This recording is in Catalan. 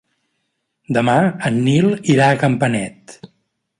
Demà en Nil irà a Campanet.